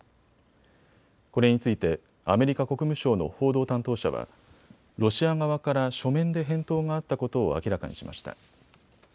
これについてアメリカ国務省の報道担当者はロシア側から書面で返答があったことを明らかにしました。